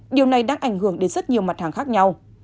điều này đang ảnh hưởng đến rất nhiều mặt hàng khác nhau